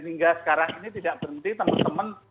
hingga sekarang ini tidak berhenti teman teman